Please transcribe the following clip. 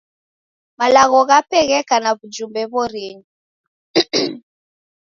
Malagho ghape gheka na w'ujumbe w'orinyi.